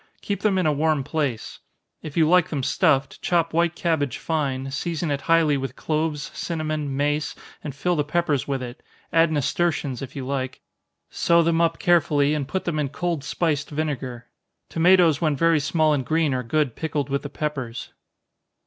Keep them in a warm place. If you like them stuffed, chop white cabbage fine, season it highly with cloves, cinnamon, mace, and fill the peppers with it add nasturtions if you like sew them up carefully, and put them in cold spiced vinegar. Tomatoes when very small and green are good pickled with the peppers.